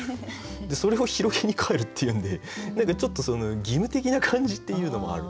でそれを広げに帰るっていうんで何かちょっと義務的な感じっていうのもある。